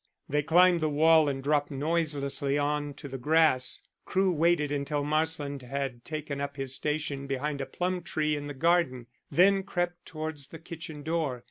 They climbed the wall and dropped noiselessly on to the grass. Crewe waited until Marsland had taken up his station behind a plum tree in the garden, and then crept towards the kitchen door.